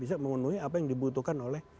bisa memenuhi apa yang dibutuhkan oleh